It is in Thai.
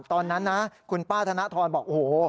ตอนนั้นนะคุณป้าธนทรบอกโอ้โห